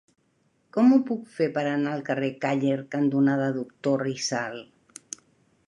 Com ho puc fer per anar al carrer Càller cantonada Doctor Rizal?